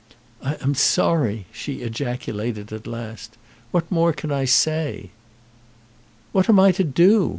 "I am sorry," she ejaculated at last. "What more can I say?" "What am I to do?